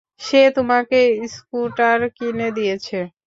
সে তোমাকে স্কুটার কিনে দিয়েছে?